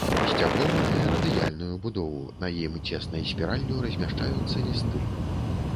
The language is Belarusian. Сцябло мае радыяльную будову, на ім цеснай спіраллю размяшчаюцца лісты.